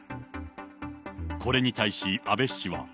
これに対し安倍氏は。